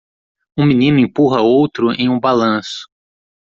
Um menino empurra outro em um balanço.